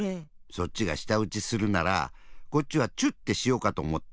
そっちがしたうちするならこっちはチュッってしようかとおもって。